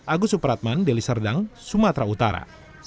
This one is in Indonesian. agus supratman deli serdang sumatera utara